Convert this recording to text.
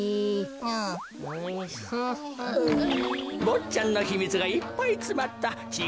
ぼっちゃんのひみつがいっぱいつまったちぃ